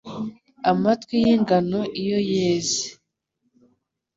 Amatwi y'ingano iyo yeze